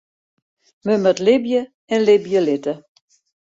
Men moat libje en libje litte.